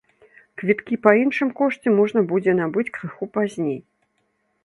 Квіткі па іншым кошце можна будзе набыць крыху пазней.